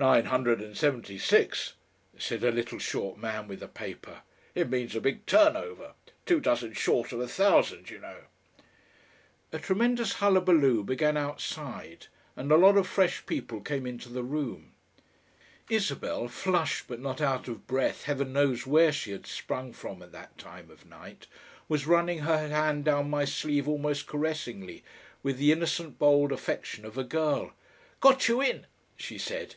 "Nine hundred and seventy six," said a little short man with a paper. "It means a big turnover. Two dozen short of a thousand, you know." A tremendous hullaboo began outside, and a lot of fresh people came into the room. Isabel, flushed but not out of breath, Heaven knows where she had sprung from at that time of night! was running her hand down my sleeve almost caressingly, with the innocent bold affection of a girl. "Got you in!" she said.